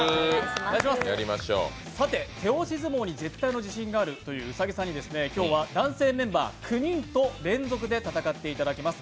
さて、手押し相撲に絶対の自信があるという兎さんに男性メンバー９人と連続で戦っていただきます。